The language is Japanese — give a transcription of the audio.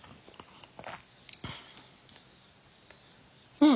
うん。